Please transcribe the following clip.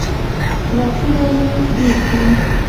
لاسونه مي رېږدي ؟